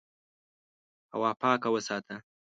هوا پاکه وساته.